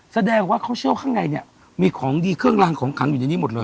แสดงว่าเขาเชื่อว่าข้างในเนี่ยมีของดีเครื่องรางของขังอยู่ในนี้หมดเลย